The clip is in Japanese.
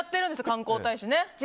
観光大使ね！